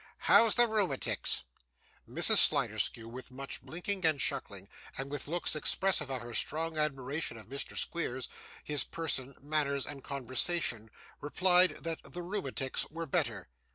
How's the rheumatics?' Mrs. Sliderskew, with much blinking and chuckling, and with looks expressive of her strong admiration of Mr. Squeers, his person, manners, and conversation, replied that the rheumatics were better.